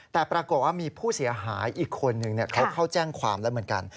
แต่ปรากฏว่ามีผู้เสียหายอีกคนนึงเขาเข้าแจ้งความแล้วเหมือนกัน